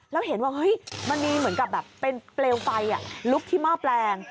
แล้วเห็นว่าเฮ้ยมันมีเหมือนกับแบบเป็นเปลวไฟลุกที่หม้อแปลง